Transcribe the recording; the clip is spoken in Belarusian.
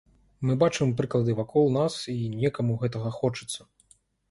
Мы бачым прыклады вакол нас і некаму гэтага хочацца.